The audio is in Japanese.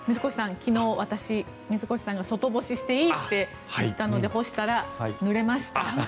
昨日私、水越さんが外干ししていいって言ったので、干したらぬれました。